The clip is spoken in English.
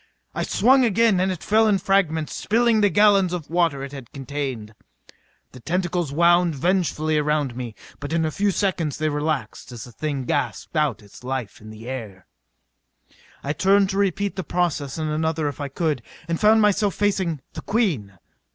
I swung again and it fell in fragments, spilling the gallons of water it had contained. The tentacles wound vengefully around me, but in a few seconds they relaxed as the thing gasped out its life in the air. I turned to repeat the process on another if I could, and found myself facing the Queen.